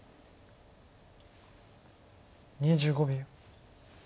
２５秒。